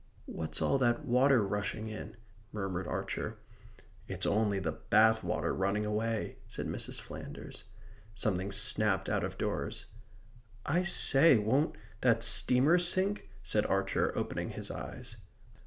"What's all that water rushing in?" murmured Archer. "It's only the bath water running away," said Mrs. Flanders. Something snapped out of doors. "I say, won't that steamer sink?" said Archer, opening his eyes.